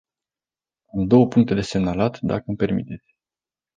Am două puncte de semnalat, dacă îmi permiteți.